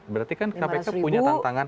berarti kan kpk punya tantangan